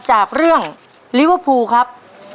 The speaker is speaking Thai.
จากเรื่องลิเวอร์พูลครับ